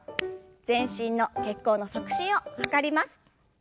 全身の血行の促進を図ります。